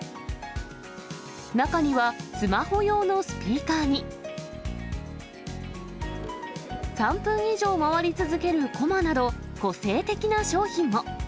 中にはスマホ用のスピーカーに、３分以上回り続けるこまなど、個性的な商品も。